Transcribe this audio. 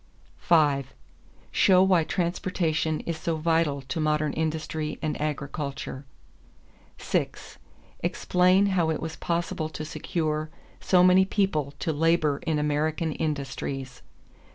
5. Show why transportation is so vital to modern industry and agriculture. 6. Explain how it was possible to secure so many people to labor in American industries.